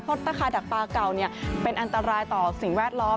เพราะราคาดักปลาเก่าเป็นอันตรายต่อสิ่งแวดล้อม